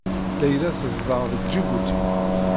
Layla tezdeɣ deg Ǧibuti.